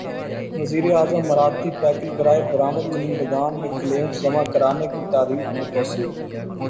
وزیر اعظم مراعاتی پیکج برائے برامد کنندگان میں کلیمز جمع کرانے کی تاریخ میں توسیع